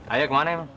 ayah kemana emang